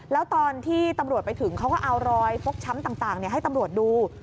แล้วตอนที่ตำรวจไปถึงเขาก็เอารอยฟกช้ำต่างให้ตำรวจดู